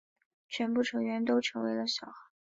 全部成员都成为了小孩。